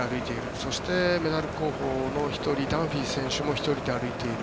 そして、メダル候補の１人ダンフィー選手も１人で歩いている。